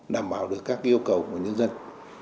đảm bảo được các yêu cầu của nhân dân